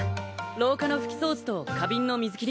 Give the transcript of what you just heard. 廊下の拭き掃除と花瓶の水切り